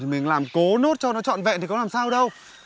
mình làm cố nốt cho nó trọn vẹn thì có làm sao đâu